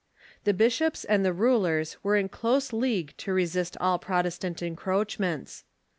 The bishops and the rulers were in close league to resist all Protestant en croachments.